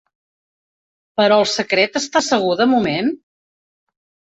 Però el secret està segur de moment?